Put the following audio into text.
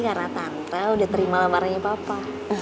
karena tante udah terima lamarannya papa